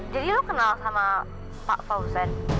jadi lo kenal sama pak fauzen